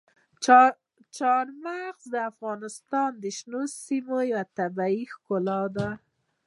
چار مغز د افغانستان د شنو سیمو یوه طبیعي ښکلا ده.